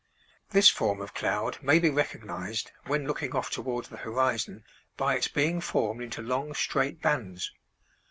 This form of cloud may be recognized, when looking off toward the horizon, by its being formed into long straight bands.